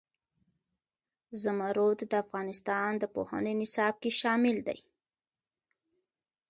زمرد د افغانستان د پوهنې نصاب کې شامل دي.